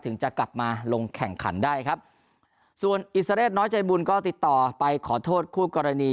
จะกลับมาลงแข่งขันได้ครับส่วนอิสระเศษน้อยใจบุญก็ติดต่อไปขอโทษคู่กรณี